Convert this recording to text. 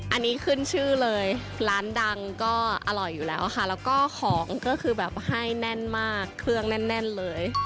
อันนี้ขึ้นชื่อเลยร้านดังก็อร่อยอยู่แล้วค่ะแล้วก็ของก็คือแบบให้แน่นมากเครื่องแน่นเลย